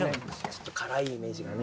ちょっと辛いイメージがね